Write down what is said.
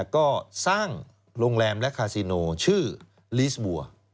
ก็สร้างโรงแรมและคาซิโนชื่อลีสบัว